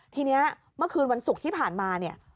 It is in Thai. ทีนี้เมื่อคืนวันศุกร์ที่ผ่านมาเนี่ย